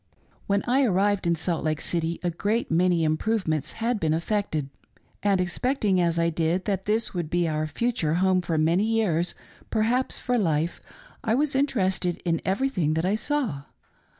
When I arrived in Salt Lake City, a great many improve ments had been effected ; and expecting, as I did, that this would be our future home for many years, perhaps for life, I was interested in everything that I saw.